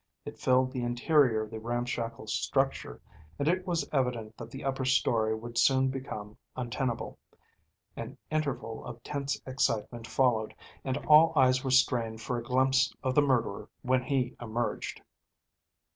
It filled the interior of the ramshackle structure, and it was evident that the upper story would soon become untenable. An interval of tense excitement followed, and all eyes were strained for a glimpse of the murderer when he emerged.